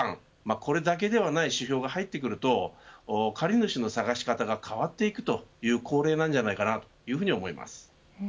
これだけではない指標が入ってくると借主の探し方が変わっていくという好例なんじゃないかなというふうに思います。